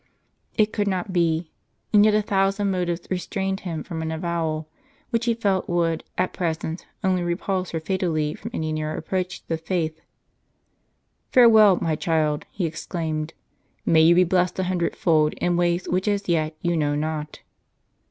It could not be ; and yet a thousand motives restrained him from an avowal, which he felt would, at present, only repulse her fatally from any nearer approach to the faith. "Farewell, my child," he exclaimed, "may you crch be blessed a hundredfold in ways which as yet you know not."